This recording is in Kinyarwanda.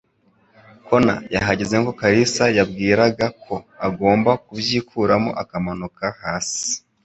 Connor yahageze nkuko Kalisa yabwiraga ko agomba kubyikuramo akamanuka hasi